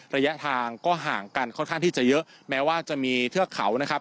ระยะทางก็ห่างกันค่อนข้างที่จะเยอะแม้ว่าจะมีเทือกเขานะครับ